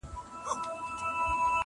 زما تر لحده به آواز د مرغکیو راځي!